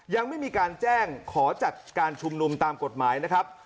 ยังไม่มีการแจ้งขอจัดการชุมนุมตามกฎหมายนะครับ